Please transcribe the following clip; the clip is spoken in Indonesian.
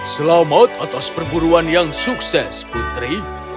selamat atas perburuan yang sukses putri